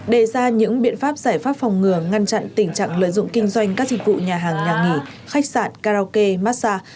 đề ra những biện pháp giải pháp phòng ngừa ngăn chặn tình trạng lợi dụng kinh doanh các dịch vụ nhà hàng nhà nghỉ khách sạn karaoke massage